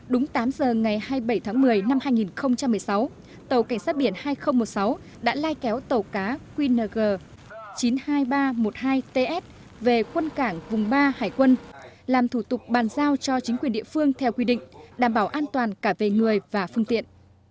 đúng tám giờ ngày hai mươi bảy tháng một mươi năm hai nghìn một mươi sáu tàu cảnh sát biển hai nghìn một mươi sáu đã lai kéo tàu cá qng chín mươi hai nghìn ba trăm một mươi hai ts về quân cảng vùng ba hải quân làm thủ tục bàn giao cho chính quyền địa phương theo quy định đảm bảo an toàn cả về người và phương tiện